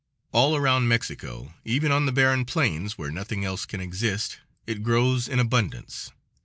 All around Mexico, even on the barren plains where nothing else can exist, it grows in abundance.